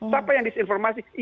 siapa yang disinformasi